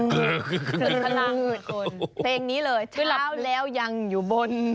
เพลงนี้เลยเช้าแล้วยังอยู่บน